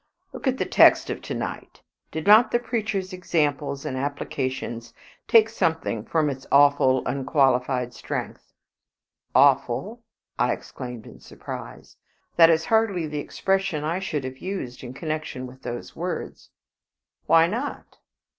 Look at the text of to night. Did not the preacher's examples and applications take something from its awful unqualified strength?" "Awful!" I exclaimed, in surprise; "that is hardly the expression I should have used in connection with those words." "Why not?"